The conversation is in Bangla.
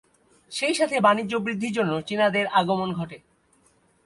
সেই সাথে বাণিজ্য বৃদ্ধির জন্য চীনাদের আগমন ঘটে।